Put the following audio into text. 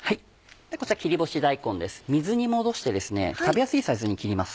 こちら切り干し大根です。